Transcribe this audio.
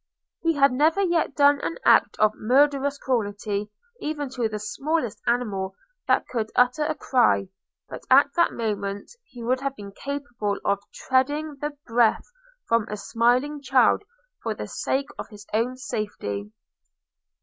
He had never yet done an act of murderous cruelty even to the smallest animal that could utter a cry, but at that moment he would have been capable of treading the breath from a smiling child for the sake of his own safety.